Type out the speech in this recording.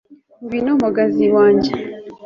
ngwino mpogazi wange